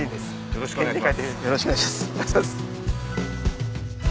よろしくお願いします。